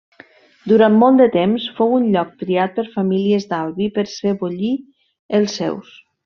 Durant molt de temps, fou un lloc triat per famílies d'Albi per sebollir els seus.